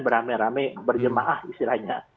beramai ramai berjemah istilahnya